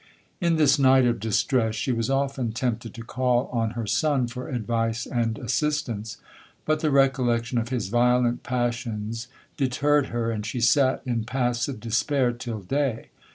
'In this night of distress, she was often tempted to call on her son for advice and assistance; but the recollection of his violent passions deterred her, and she sat in passive despair till day.